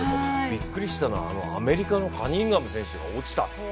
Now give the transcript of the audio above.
びっくりしたのはアメリカのカニンガム選手が落ちた。